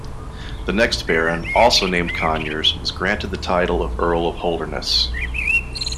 The next baron, also named Conyers, was granted the title of Earl of Holderness.